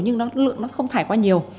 nhưng nó không thải qua nhiều